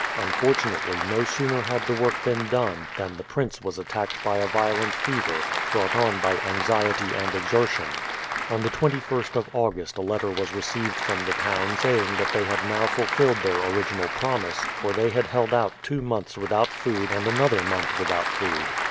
Unfortunately no sooner had the work been done than the prince was attacked by a violent fever, brought on by anxiety and exertion. On the 21st of August a letter was received from the town saying that they had now fulfilled their original promise, for they had held out two months with food and another month without food.